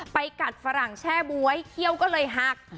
กัดฝรั่งแช่บ๊วยเขี้ยวก็เลยหัก